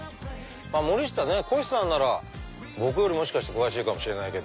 森下ねこひさんなら僕よりもしかして詳しいかもしれない。